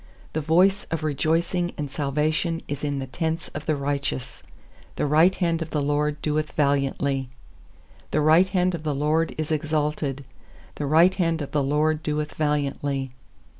15The voice of rejoicing and salvation is in the tents of the righteous; The right hand of the LORD doeth valiantly. 16The right hand of the LORD is exalted; The right hand of the LORD doeth valiantly.